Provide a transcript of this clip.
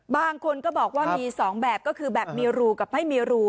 บางคนก็บอกว่ามี๒แบบก็คือแบบมีรูกับไม่มีรู